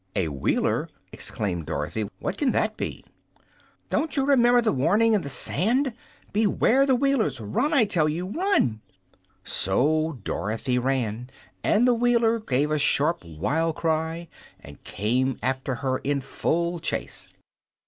"A Wheeler?" exclaimed Dorothy. "What can that be?" "Don't you remember the warning in the sand: 'Beware the Wheelers'? Run, I tell you run!" So Dorothy ran, and the Wheeler gave a sharp, wild cry and came after her in full chase.